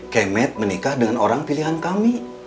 kemet menikah dengan orang pilihan kami